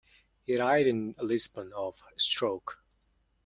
He died in Lisbon, of a stroke.